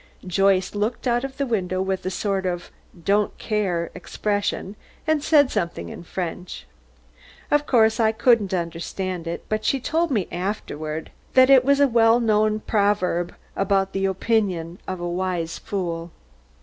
Joyce looked out of the window with a sort of don't care expression, and said something in French. Of course I couldn't understand it, but she told me afterward that it was a well known proverb about the opinion of a wise fool.